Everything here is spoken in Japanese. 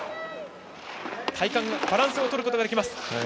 体幹、バランスをとることができます。